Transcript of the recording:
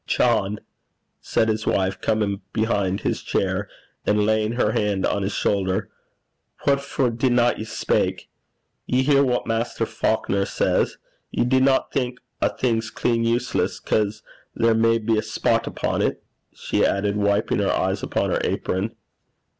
'John,' said his wife, coming behind his chair, and laying her hand on his shoulder, 'what for dinna ye speyk? Ye hear what Maister Faukner says. Ye dinna think a thing's clean useless 'cause there may be a spot upo' 't?' she added, wiping her eyes with her apron.